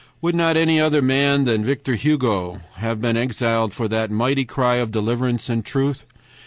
Would not any other man than Victor Hugo have been exiled for that mighty cry of deliverance and truth?